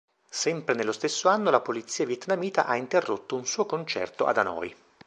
Sempre nello stesso anno la polizia vietnamita ha interrotto un suo concerto ad Hanoi.